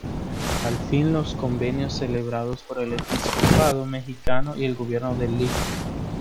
Al fin, los convenios celebrados por el episcopado mexicano y el gobierno del Lic.